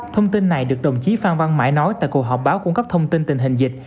thông tin này được đồng chí phan văn mãi nói tại cuộc họp báo cung cấp thông tin tình hình dịch